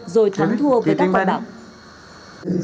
rồi thắng thua với các con bạc